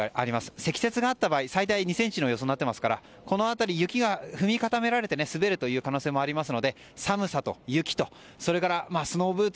積雪があった場合、最大２ｃｍの予想になっていますからこの辺りの雪が踏み固められて滑るという可能性もありますので寒さと雪とそれからスノーブーツ